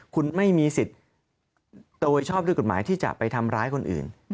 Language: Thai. คุณไม่มีสิทธิ์โดยชอบด้วยกฎหมายที่จะไปทำร้ายคนอื่น